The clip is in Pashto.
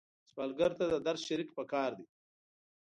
سوالګر ته د درد شریک پکار دی